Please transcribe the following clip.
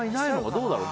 どうだろう。